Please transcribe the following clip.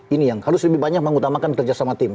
ini yang harus lebih banyak mengutamakan kerjasama tim